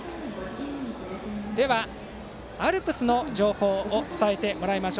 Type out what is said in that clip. アルプスの情報を伝えてもらいます。